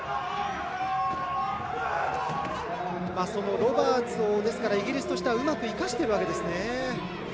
ロバーツをイギリスとしてはうまく生かしているわけですね。